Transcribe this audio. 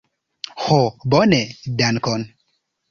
Ho, bone, dankon.